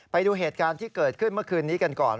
ไปดูเหตุการณ์ที่เกิดขึ้นเมื่อคืนนี้กันก่อน